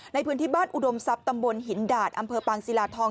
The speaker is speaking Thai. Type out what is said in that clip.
ในพื้นที่บ้านอุดมทรัพย์ตำบลหินดาดอำเภอปางศิลาทอง